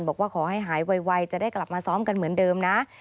บอกว่าขอให้หายไวจะได้กลับมาซ้อมกันเหมือนเดิมนะ